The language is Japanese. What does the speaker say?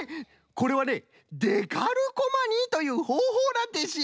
これはねデカルコマニーというほうほうなんですよ。